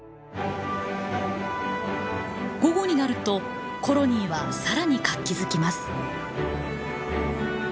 午後になるとコロニーはさらに活気づきます。